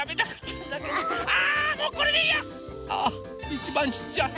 あいちばんちっちゃい。